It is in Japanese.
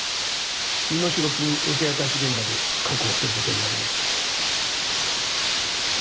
身代金受け渡し現場で確保する事になりました。